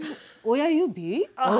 「親指」？